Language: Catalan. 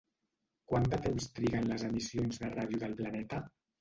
Quant de temps triguen les emissions de ràdio del planeta?